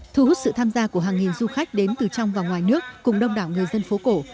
thu hút sự tham gia của hàng nghìn du khách đến từ trong và ngoài nước cùng đông đảo người dân phố cổ